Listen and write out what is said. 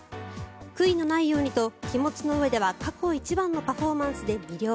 悔いのないようにと気持ちのうえでは過去一番のパフォーマンスで魅了。